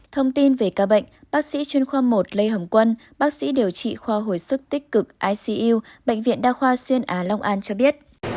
thông tin về ca bệnh bác sĩ chuyên khoa một lê hồng quân bác sĩ điều trị khoa hồi sức tích cực icu bệnh viện đa khoa xuyên á long an cho biết